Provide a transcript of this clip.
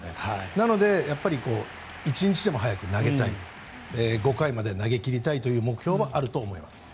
だから、一日も早く投げたい５回まで投げ切りたいという目標はあると思います。